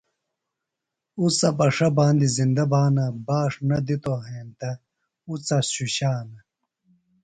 اُڅہ بݜہ باندیۡ زِندہ بھانہ۔ باݜ نہ دِتوۡ ہینتہ اُڅہ شُشانہ۔